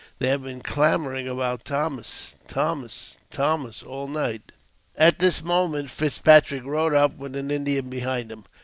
They have been clamouring about Thomas — Thomas — Thomas, all night." At this moment Fitzpatrick rode up, with an Indian behind him.